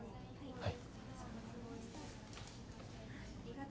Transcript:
はい。